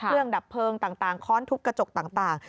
ดับเพลิงต่างค้อนทุบกระจกต่าง